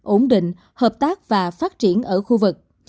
ổn định hợp tác và phát triển ở khu vực